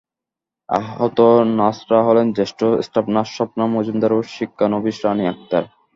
আহত নার্সরা হলেন জ্যেষ্ঠ স্টাফ নার্স স্বপ্না মজুমদার ও শিক্ষানবিশ রানী আক্তার।